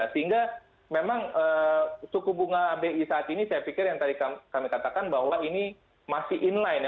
sehingga memang suku bunga bi saat ini saya pikir yang tadi kami katakan bahwa ini masih inline ya